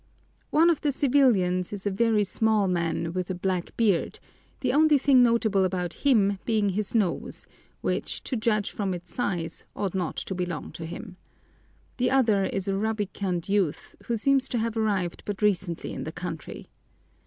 One of the civilians is a very small man with a black beard, the only thing notable about him being his nose, which, to judge from its size, ought not to belong to him. The other is a rubicund youth, who seems to have arrived but recently in the country.